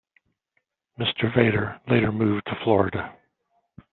Mr. Vader later moved to Florida.